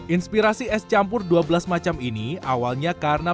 inspirasi es campur dua belas macam ini awalnya karena